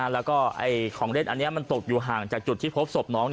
แล้วก็ของเล่นอันนี้มันตกอยู่ห่างจากจุดที่พบศพน้อง